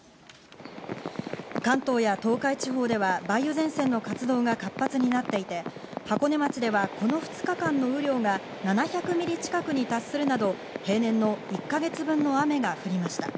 関東や東海地方では梅雨前線の活動が活発になっていて、箱根町ではこの２日間の雨量が７００ミリ近くに達するなど、平年の１か月分の雨が降りました。